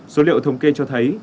số liệu thống kê cho thấy